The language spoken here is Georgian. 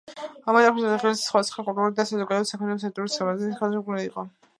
მიტროფანე ლაღიძე სხვადასხვა კულტურული და საზოგადოებრივი საქმიანობის აქტიური მონაწილე და ხელშემწყობი იყო.